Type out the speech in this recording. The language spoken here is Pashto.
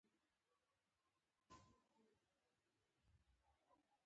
هغې پیر صاحب ته وویل: ها واخله دا دی ستا زوی دی.